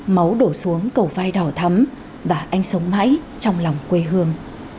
máu đổ xuống cầu vai đỏ thắm và anh sống mãi trong lòng quê hương